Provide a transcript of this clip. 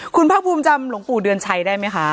คุณภาคภูมิจำหลวงปู่เดือนชัยได้ไหมคะ